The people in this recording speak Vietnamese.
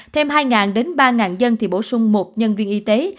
thêm hai đến ba dân thì bổ sung một nhân viên y tế